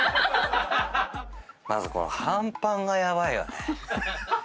まずこの半パンがヤバいよね。